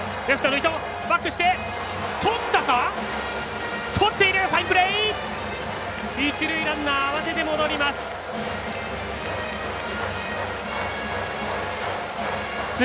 一塁ランナー慌てて戻ります。